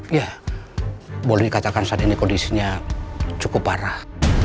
ya boleh dikatakan saat ini kondisinya cukup parah